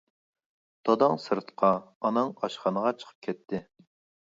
داداڭ سىرتقا، ئاناڭ ئاشخانىغا چىقىپ كەتتى.